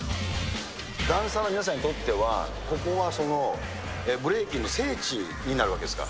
ダンサーの皆さんにとっては、ここが、ブレイキンの聖地になるわけですか？